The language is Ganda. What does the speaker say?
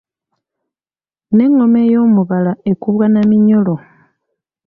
N'engoma ey’omubala ekubwa na minyolo.